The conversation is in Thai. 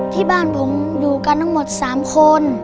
ที่บ้านผมอยู่กันทั้งหมด๓คน